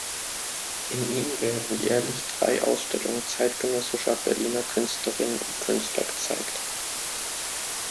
In ihm werden jährlich drei Ausstellungen zeitgenössischer Berliner Künstlerinnen und Künstler gezeigt.